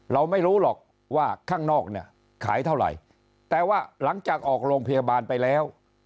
เราไม่รู้หรอกว่าข้างนอกเนี่ยขายเท่าไหร่แต่ว่าหลังจากออกโรงพยาบาลไปแล้ว